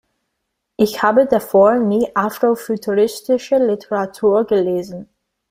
Ich habe davor nie afrofuturistische Literatur gelesen.